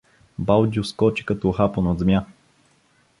Балдю скочи като ухапан от змия.